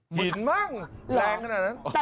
หินมั่งแรงขนาดนั้น